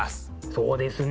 そうですね。